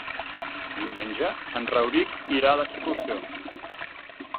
Diumenge en Rauric irà d'excursió.